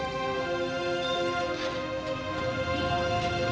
kaget saya jahat